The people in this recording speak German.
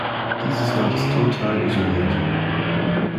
Dieses Land ist total isoliert.